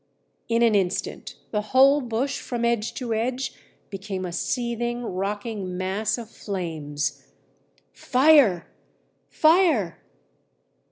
In an instant the whole bush from edge to edge became a seething, rocking mass of flames. "'Fire! Fire!'